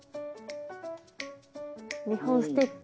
２本ステッチ。